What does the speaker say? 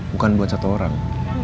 bukan buat satu orang